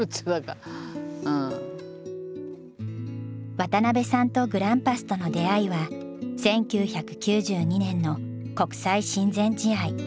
渡邉さんとグランパスとの出会いは１９９２年の国際親善試合。